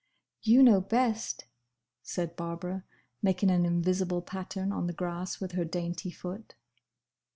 "You know best," said Barbara, making an invisible pattern on the grass with her dainty foot.